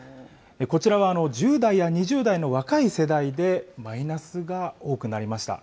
こちらは、１０代や２０代の若い世代でマイナスが多くなりました。